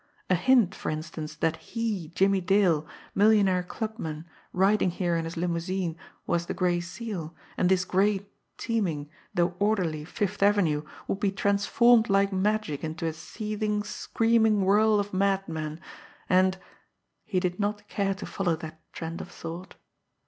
A hint, for instance, that he, Jimmie Dale, millionaire clubman, riding here in his limousine, was the Gray Seal, and this great, teeming, though orderly, Fifth Avenue would be transformed like magic into a seething, screaming whirl of madmen, and he did not care to follow that trend of thought.